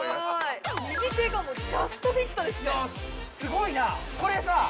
すごいなこれさ